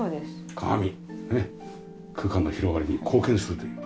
鏡ねっ空間の広がりに貢献するという。